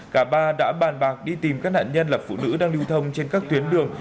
cả ba đã bàn bạc đi tìm các nạn nhân là phụ nữ đang lưu thông trên các tuyến đường